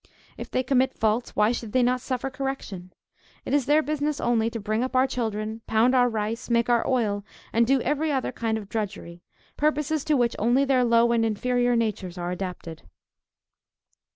If they commit faults, why should they not suffer correction? It is their business only to bring up our children, pound our rice, make our oil, and do every other kind of drudgery, purposes to which only their low and inferior natures are adapted."